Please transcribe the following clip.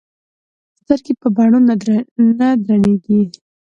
سترګې په بڼو نه درنې ايږي